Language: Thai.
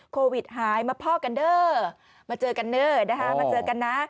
โควิดหายมาพ่อกันเด้อมาเจอกันเด้อนะคะมาเจอกันนะ